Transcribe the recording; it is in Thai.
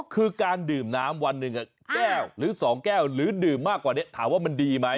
คือการดื่มน้ำวันหนึ่งแก้วหรือ๒แก้วหรือดื่มมากกว่านี้ถามว่ามันดีไหม